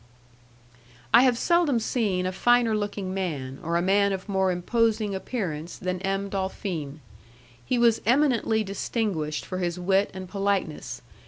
I have seldom seen a finer looking man, or a man of more imposing appearance than M. Dolfin. He was eminently distinguished for his wit and politeness.